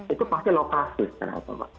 itu pasti lokasi sekarang tembak